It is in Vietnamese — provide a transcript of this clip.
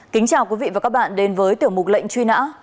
kính chào quý vị và các bạn đến với tiểu mục lệnh truy nã